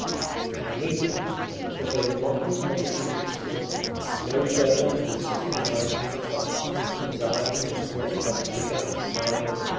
And immediately, as though in mockery of his scepticism, no further than the second line from the top, his eye was caught by the figure 9,499!